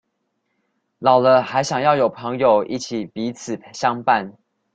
老了還想要有朋友一起彼此相伴